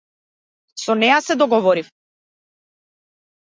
Со неа се договорив.